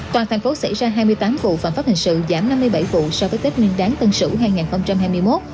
toàn thành phố xảy ra hai mươi tám vụ phạm pháp hình sự giảm năm mươi bảy vụ so với tết nguyên đáng tân sửu hai nghìn hai mươi một